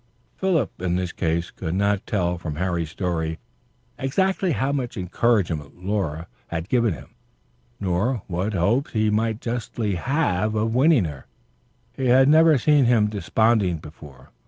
Philip in this case could not tell from Harry's story exactly how much encouragement Laura had given him, nor what hopes he might justly have of winning her. He had never seen him desponding before.